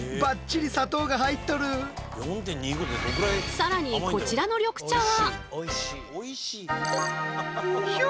さらにこちらの緑茶は。